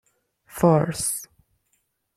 فارس